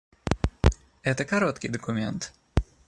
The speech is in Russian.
Это короткий документ.